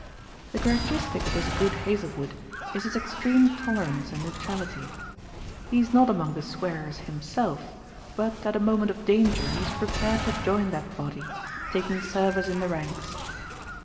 The characteristic of this good Hazlewood is his extreme tolerance and neutrality. He is not among the swearers himself, but at a moment of danger he is prepared to join that body, taking service in the ranks.